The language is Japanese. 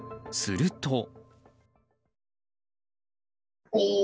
すると。